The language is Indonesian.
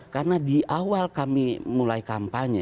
karena di awal kami mulai kampanye